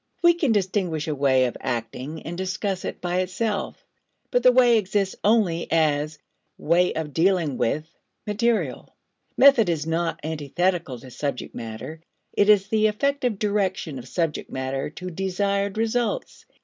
We can distinguish a way of acting, and discuss it by itself; but the way exists only as way of dealing with material. Method is not antithetical to subject matter; it is the effective direction of subject matter to desired results.